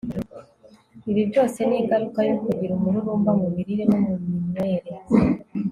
ibi byose ni ingaruka yo kugira umururumba mu mirire no mu minywere